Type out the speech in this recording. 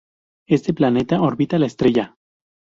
Este planeta orbita la estrella.